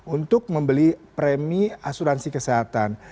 untuk membeli premi asuransi kesehatan